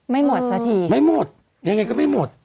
ไม่หมดสักทีไม่หมดยังไงก็ไม่หมด